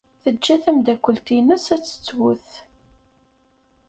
Teǧǧa tameddakelt-nnes ad tettwet.